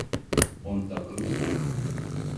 Он так грустен.